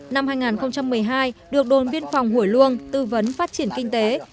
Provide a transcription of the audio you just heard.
năm hai nghìn một mươi hai được đồn biên phòng hủy luông tư vấn phát triển kinh tế